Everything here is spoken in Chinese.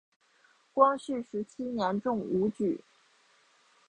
光绪十七年中武举。